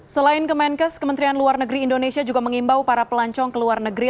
selain kemenkes kementerian luar negeri indonesia juga mengimbau para pelancong ke luar negeri